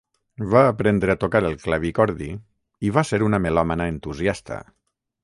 Va aprendre a tocar el clavicordi i va ser una melòmana entusiasta.